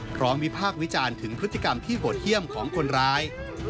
พร้อมวิภาควิจารณ์ถึงพฤติกรรมที่โหดเที่ยมของคนร้าย